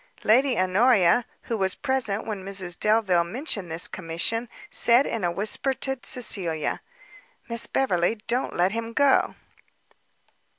Lady Honoria, who was present when Mrs Delvile mentioned this commission, said in a whisper to Cecilia, "Miss Beverley, don't let him go."